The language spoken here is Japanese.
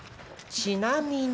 ちなみに。